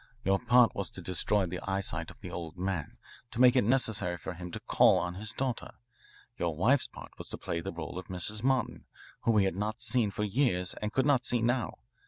Your part was to destroy the eyesight of the old man, to make it necessary for him to call on his daughter. Your wife's part was to play the role of Mrs. Martin, whom he had not seen for years and could not see now.